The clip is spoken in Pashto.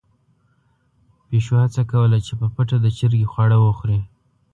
پيشو هڅه کوله چې په پټه د چرګې خواړه وخوري.